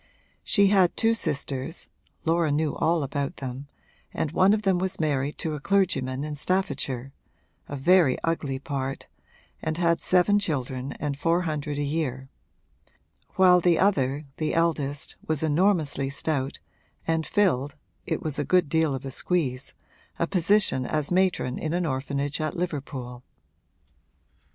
She had two sisters (Laura knew all about them) and one of them was married to a clergyman in Staffordshire (a very ugly part) and had seven children and four hundred a year; while the other, the eldest, was enormously stout and filled (it was a good deal of a squeeze) a position as matron in an orphanage at Liverpool.